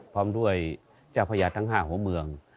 พร้อมด้วยเจ้าพญาทั้ง๕หัวเมือง